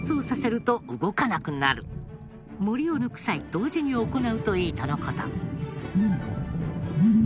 モリを抜く際同時に行うといいとの事。